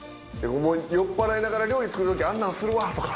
酔っぱらいながら料理作るときあんなんするわとか。